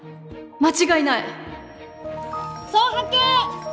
間違いない！